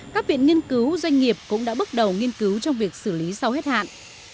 các viện nghiên cứu doanh nghiệp cũng đã bước đầu nghiên cứu trong việc xử lý sau hết hạn